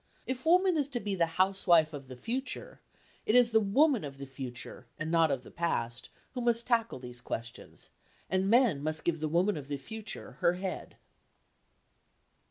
If woman is to be the housewife of the future, it is the woman of the future and not of the past who must tackle these questions, and men must give the woman of the future her head.